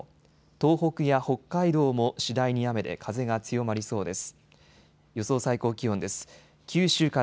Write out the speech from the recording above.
東北や北海道も次第に雨で風が強まりそうです。